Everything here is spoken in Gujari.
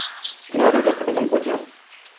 جنازو جد فتح جنگ پوہچیو